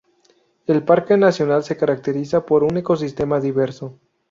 El parque nacional se caracteriza por un ecosistema diverso.